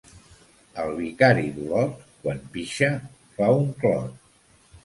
El vicari d'Olot, quan pixa, fa un clot.